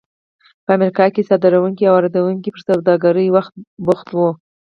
په امریکا کې صادروونکي او واردوونکي پر سوداګرۍ بوخت وو.